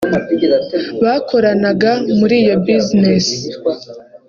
bakoranaga muri iyo Business